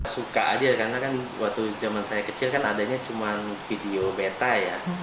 suka aja karena kan waktu zaman saya kecil kan adanya cuma video beta ya